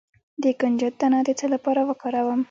د کنجد دانه د څه لپاره وکاروم؟